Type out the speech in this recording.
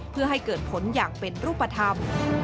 เพื่อให้เกิดผลอย่างเป็นรูปธรรม